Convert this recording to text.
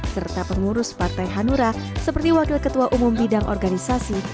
serta pengurus partai hanura seperti wakil ketua umum bidang organisasi